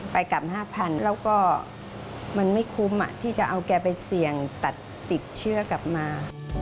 ไปกลับ๕๐๐๐แล้วก็มันไม่คุ้มที่จะเอาแกไปเสี่ยงตัดติดเชื้อกลับมา